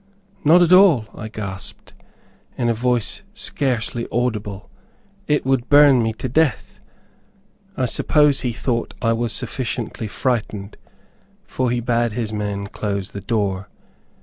"Not at all," I gasped, in a voice scarcely audible, "it would burn me to death." I suppose he thought I was sufficiently frightened, for he bade his men close the door.